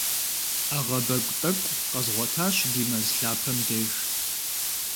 Ӏэгъэбэгу тӏэкӏу къэзгъуэтащ ди мэз лъапэм деж.